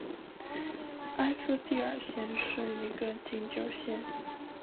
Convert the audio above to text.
埃斯蒂尔县是一个禁酒县。